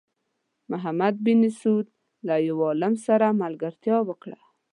محمد بن سعود له یو عالم سره ملګرتیا وکړه.